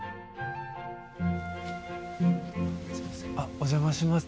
あっお邪魔します。